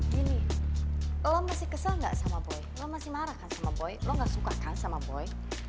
gini lo masih kesal gak sama boy lo masih marah kan sama boy lo gak suka kan sama boy